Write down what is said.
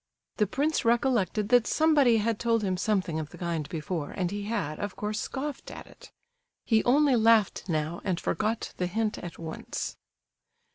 The prince recollected that somebody had told him something of the kind before, and he had, of course, scoffed at it. He only laughed now, and forgot the hint at once.